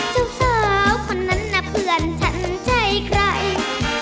เจ้าสาวคนนั้นนะเพื่อนฉันใช่ใคร